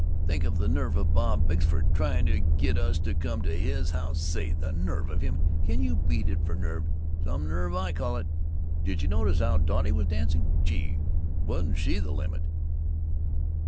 "Think of the nerve of Bob Bickerstaff trying to get us to come to his house! Say, the nerve of him! Can you beat it for nerve? Some nerve I call it!" "Did you notice how Dotty was dancing? Gee, wasn't she the limit!"